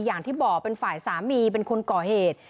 อย่างที่บอกเป็นฝ่ายสามีเป็นคนก่อเหตุ